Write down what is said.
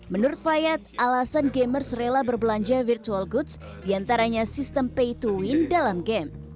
menurut fayad alasan gamers rela berbelanja virtual goods diantaranya sistem pay to wind dalam game